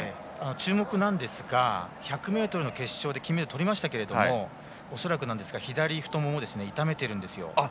注目なんですが１００ｍの決勝で金メダルをとりましたけれども恐らくなんですが左太ももを痛めているんですよ。